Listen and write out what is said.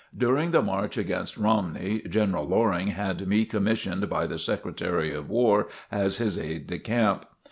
During the march against Romney, General Loring had me commissioned by the Secretary of War as his aide de camp.